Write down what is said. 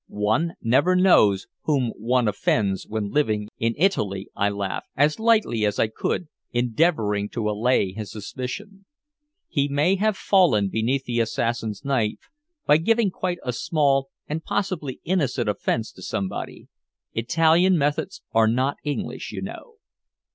"One never knows whom one offends when living in Italy," I laughed, as lightly as I could, endeavoring to allay his suspicion. "He may have fallen beneath the assassin's knife by giving quite a small and possibly innocent offense to somebody. Italian methods are not English, you know."